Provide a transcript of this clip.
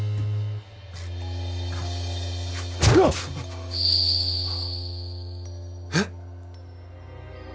うわ！えっ？